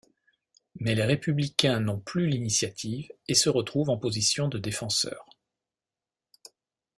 Mais les Républicains n'ont plus l'initiative et se retrouvent en position de défenseurs.